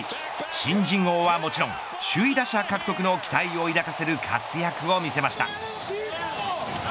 新人王はもちろん首位打者獲得の期待を抱かせる活躍を見せました。